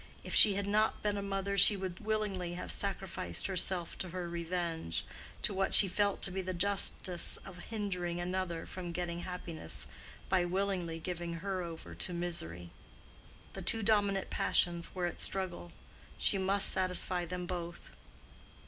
If she had not been a mother she would willingly have sacrificed herself to her revenge—to what she felt to be the justice of hindering another from getting happiness by willingly giving her over to misery. The two dominant passions were at struggle. She must satisfy them both.